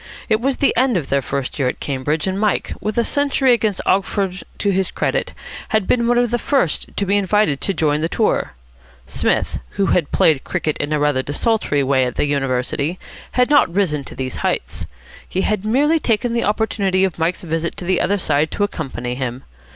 It was the end of their first year at Cambridge, and Mike, with a century against Oxford to his credit, had been one of the first to be invited to join the tour. Psmith, who had played cricket in a rather desultory way at the University, had not risen to these heights. He had merely taken the opportunity of Mike's visit to the other side to accompany him.